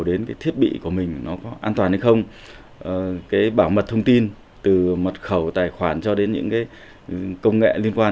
đến cái thiết bị của mình nó có an toàn hay không cái bảo mật thông tin từ mật khẩu tài khoản cho đến những cái công nghệ liên quan